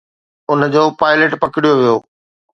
ان جو پائلٽ پڪڙيو ويو.